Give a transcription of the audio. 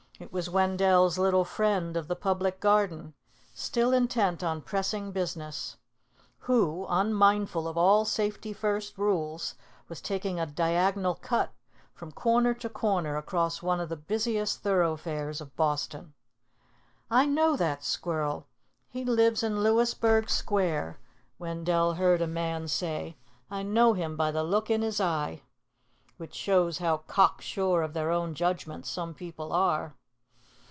It was Wendell's little friend of the Public Garden, still intent on pressing business, who, unmindful of all safety first rules, was taking a diagonal cut from corner to corner across one of the busiest thoroughfares of Boston. "I know that squirrel. He lives in Louisburg Square," Wendell heard a man say. "I know him by the look in his eye." Which shows how cocksure of their own judgments some people are.